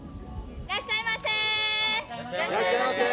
いらっしゃいませ。